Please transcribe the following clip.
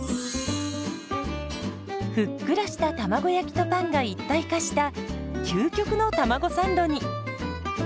ふっくらした卵焼きとパンが一体化した究極のたまごサンドに。